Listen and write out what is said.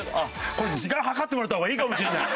これ時間計ってもらった方がいいかもしれない。